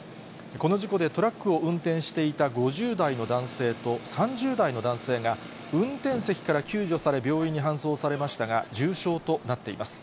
この事故でトラックを運転していた５０代の男性と３０代の男性が、運転席から救助され、病院に搬送されましたが、重傷となっています。